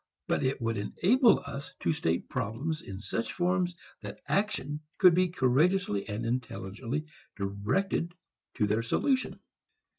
But it would enable us to state problems in such forms that action could be courageously and intelligently directed to their solution.